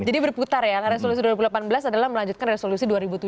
jadi berputar ya resolusi dua ribu delapan belas adalah melanjutkan resolusi dua ribu tujuh belas